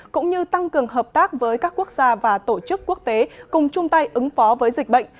cũng như tăng cường hợp tác với các quốc gia và tổ chức quốc tế cùng chung tay ứng phó với dịch bệnh